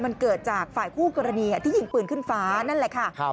มันเกิดจากฝ่ายคู่กรณีที่ยิงปืนขึ้นฟ้านั่นแหละค่ะ